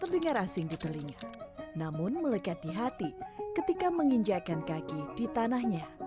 terdengar asing di telinga namun melekat di hati ketika menginjakan kaki di tanahnya